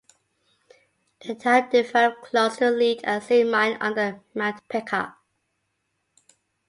The town developed close to a lead and zinc mine under Mount Peca.